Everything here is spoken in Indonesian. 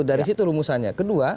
dari situ rumusannya